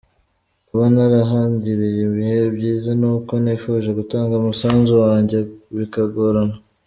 Kuba ntarahagiriye ibihe byiza ni uko nifuje gutanga umusanzu wanjye bikagorana.